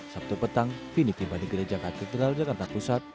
sabtu petang vini tiba di gereja katedral jakarta pusat